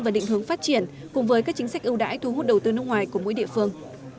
và định hướng phát triển cùng với các chính sách ưu đãi thu hút đầu tư nước ngoài của mỗi địa phương